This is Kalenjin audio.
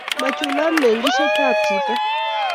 machulat mengishet ab chito